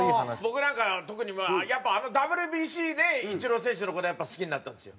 僕なんか特にあのＷＢＣでイチロー選手の事をやっぱ好きになったんですよ。